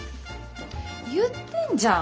言ってんじゃん